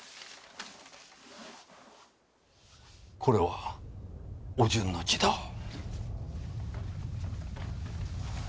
これはお順の字だ。